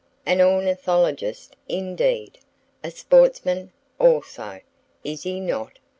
An "ornithologist" indeed! A "sportsman" also, is he not?